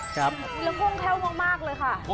ครับครับแล้วคงเท่ามากเลยค่ะ